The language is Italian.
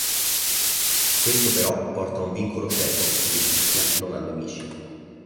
Questo però porta a un vicolo cieco: Letitia non ha nemici.